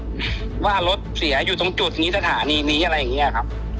เพราะว่ารถเสียอยู่ตรงจุดนี้สถานีนี้อะไรอย่างนี้ครับ